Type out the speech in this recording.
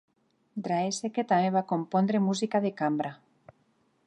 Draeseke també va compondre música de cambra.